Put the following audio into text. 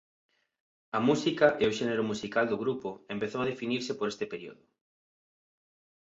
A música e o xénero musical do grupo empezou a definirse por este período.